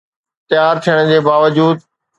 تيار ٿيڻ جي باوجود